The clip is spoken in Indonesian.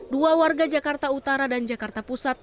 dua warga jakarta utara dan jakarta pusat